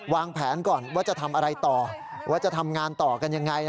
วางแผนก่อนว่าจะทำอะไรต่อว่าจะทำงานต่อกันยังไง